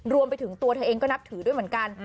รวมไปถึงตัวเธอเองก็นับถือด้วยเหมือนกัน